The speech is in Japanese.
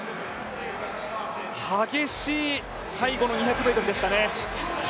激しい最後の２００ｍでしたね。